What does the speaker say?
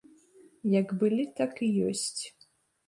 Як былі, так і ёсць.